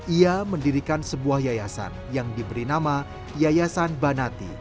ia mendirikan sebuah yayasan yang diberi nama yayasan banati